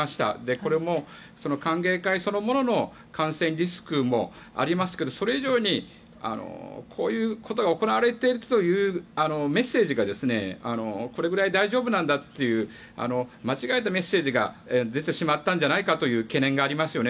これも、歓迎会そのものの感染リスクもありますがそれ以上に、こういうことが行われているというメッセージがこれくらい大丈夫なんだという間違えたメッセージが出てしまったんじゃないかという懸念がありますよね。